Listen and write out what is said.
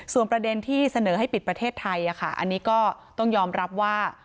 ส่วนประเด็นที่เสนอให้ปิดประเทศไทยอันนี้ก็ต้องยอมรับว่า